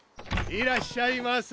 いらっしゃいませ。